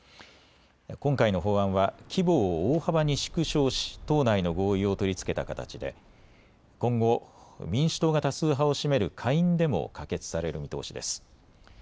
今回の法案は規模を大幅に縮小し党内の合意を取りつけた形で今後、民主党が多数派を占める下院でも可決される見通しです。